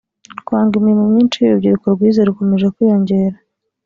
guhanga imirimo myinshi y’urubyiruko rwize rukomeje kwiyongera